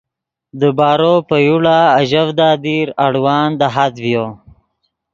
دیبارو پے یوڑا آژڤدا دیر اڑوان دہات ڤیو